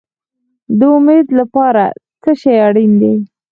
د امید لپاره څه شی اړین دی؟